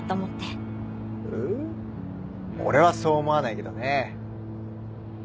俺はそう思わないけどね。